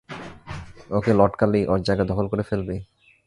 ওকে লটকালেই, ওর জায়গা দখল করে ফেলবি?